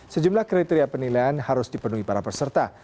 sejumlah kriteria penilaian harus dipenuhi para peserta